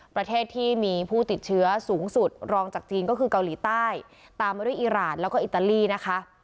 ประเทศที่มีผู้ติดเชื้อสูงสุดรองจากจีนก็คือเกาหลีใต้ตามมาด้วยอิราณแล้วก็อิตาลีนะคะ